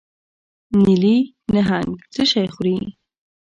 نیلي نهنګ څه شی خوري؟